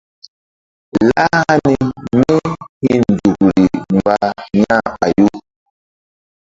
Lah hani míhi̧nzukri mgba yah ɓayu.